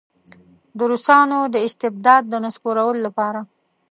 د روسانو د استبداد د نسکورولو لپاره.